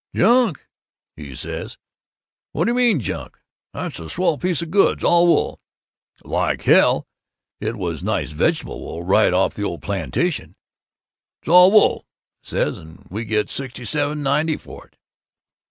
'Junk,' he says, 'what d' you mean junk? That's a swell piece of goods, all wool ' Like hell! It was nice vegetable wool, right off the Ole Plantation! 'It's all wool,' he says, 'and we get sixty seven ninety for it.